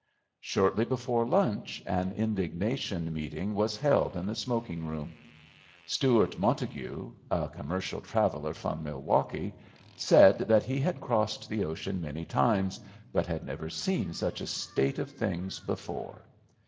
Shortly before lunch an indignation meeting was held in the smoking room. Stewart Montague, a commercial traveller from Milwaukee, said that he had crossed the ocean many times, but had never seen such a state of things before.